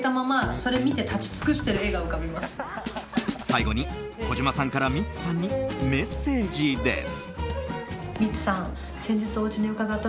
最後に、小島さんからミッツさんにメッセージです。